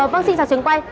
vâng xin chào trường quay